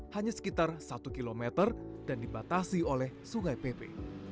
hanya sekitar satu km dan dibatasi oleh sungai pepe